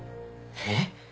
えっ？